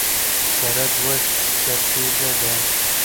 سره دوه څپیزه ده.